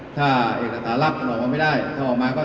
ต่อสมันฝิดบางอย่าง